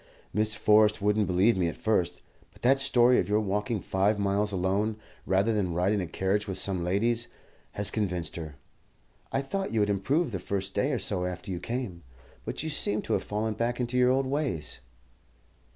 Miss Forrest wouldn't believe me at first; but that story of your walking five miles alone, rather than ride in a carriage with some ladies, has convinced her. I thought you had improved the first day or so after you came, but you seem to have fallen back into your old ways."